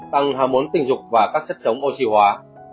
tăng ham muốn tình dục và các chất chống oxy hóa